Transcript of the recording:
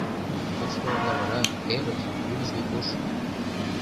Тушто лавыра, терыс, вӱдыжгӧ пуш.